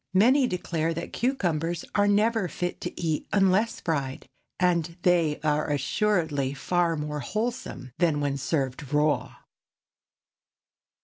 Many declare that cucumbers are never fit to eat unless fried, and they are assuredly far more wholesome than when served raw.